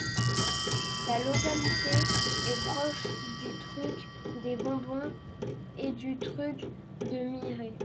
La localité est proche du truc des Bondons et du truc de Miret.